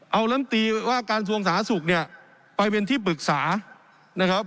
เอาล้ำตีว่าการสวงสหสุทธิ์เนี้ยไปเป็นที่ปรึกษานะครับ